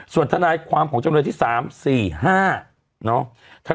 ส่วนทนายความของจำเลยที่๓๔๕เนาะ